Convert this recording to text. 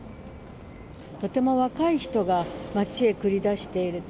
とても若い人が街へ繰り出している。